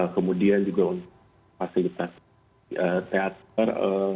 kemudian juga untuk fasilitas teater